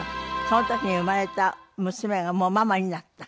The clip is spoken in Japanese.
その時に生まれた娘がもうママになった。